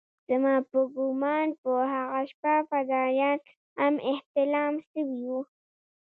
زما په ګومان په هغه شپه فدايان هم احتلام سوي وو.